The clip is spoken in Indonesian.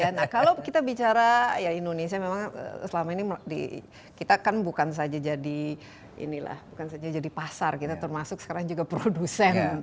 nah kalau kita bicara ya indonesia memang selama ini kita kan bukan saja jadi inilah bukan saja jadi pasar kita termasuk sekarang juga produsen